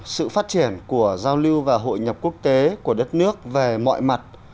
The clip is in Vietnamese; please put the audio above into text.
sự phát triển của giao lưu và hội nhập quốc tế của đất nước về mọi mặt